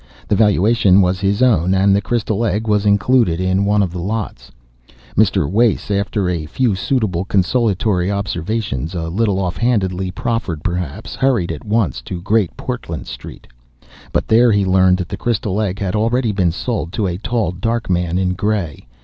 The valuation was his own and the crystal egg was included in one of the lots. Mr. Wace, after a few suitable consolatory observations, a little off handedly proffered perhaps, hurried at once to Great Portland Street. But there he learned that the crystal egg had already been sold to a tall, dark man in grey.